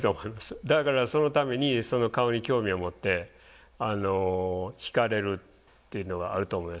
だからそのためにその顔に興味を持って惹かれるっていうのはあると思います。